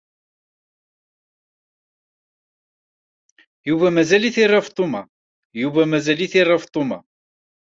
Yuba mazal-it ira Feṭṭuma.